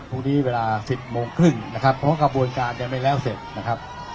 พรุ่งนี้เวลา๑๐โมงครึ่งเพราะกระบวนการยังไม่แล้วเสร็จ